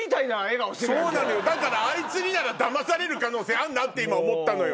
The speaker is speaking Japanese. そうなのよだからあいつにならだまされる可能性あるなって今思ったのよ。